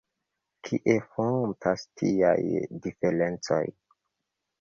Kie fontas tiaj diferencoj?